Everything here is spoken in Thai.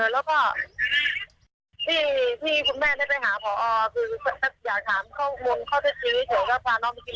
แล้วก็ที่คุณแม่ได้ไปหาผอคืออยากถามข้อมูลเขาจะชี้เฉยก็พาน้องไปกินหมูกระทะจริงหรือเปล่าอะไรอย่างนี้